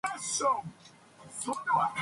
Its customers complained they were overcharged.